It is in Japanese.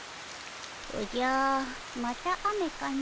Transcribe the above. おじゃまた雨かの。